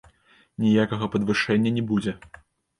Ніякага падвышэння не будзе.